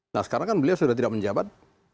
nah sekarang kan beliau sudah tidak menjabat